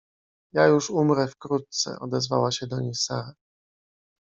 — Ja już umrę wkrótce… — odezwała się do niej Sara.